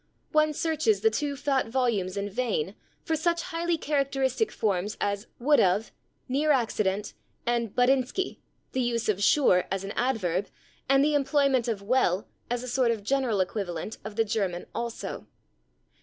One searches the two fat volumes in vain for such highly characteristic forms as /would of/, /near accident/, and /buttinski/, the use of /sure/ as an adverb, and the employment of /well/ as a sort of general equivalent of the German /also